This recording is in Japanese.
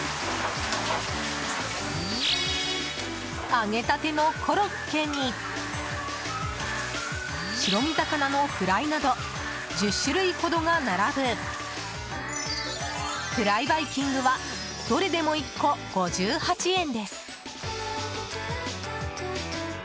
揚げたてのコロッケに白身魚のフライなど１０種類ほどが並ぶフライバイキングはどれでも１個５８円です。